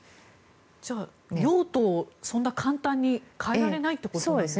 じゃあ、用途をそんな簡単に変えられないということですか。